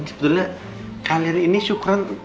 sebetulnya kali ini syukuran